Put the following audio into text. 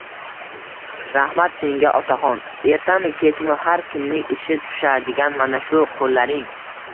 Rahmat senga, otaxon. Ertami-kechmi har kimning ishi tushadigan mana shu qo'llaring